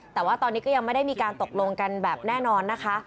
แต่ว่าตอนนี้ก็ยังไม่ได้มีการตกลงกันแบบแน่นอนนะคะ